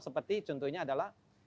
seperti contohnya adalah